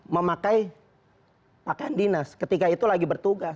memakai pakaian dinas ketika itu lagi bertugas